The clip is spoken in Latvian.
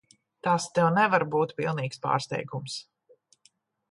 Tas tev nevar būt pilnīgs pārsteigums.